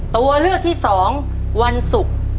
ตัวเลือกที่๒วันศุกร์